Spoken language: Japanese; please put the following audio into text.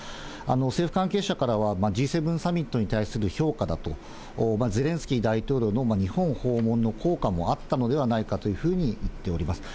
政府関係者からは、Ｇ７サミットに対する評価だと、ゼレンスキー大統領の日本訪問の効果もあったのではないかというふうに言っております。